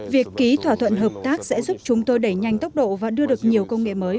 việc ký thỏa thuận hợp tác sẽ giúp chúng tôi đẩy nhanh tốc độ và đưa được nhiều công nghệ mới